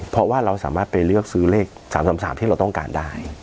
เพราะว่าเราสามารถไปเลือกซื้อเลข๓๓ที่เราต้องการได้